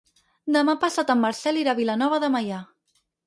Demà passat en Marcel irà a Vilanova de Meià.